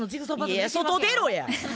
いや外出ろや！